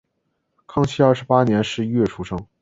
康熙二十八年十一月出生。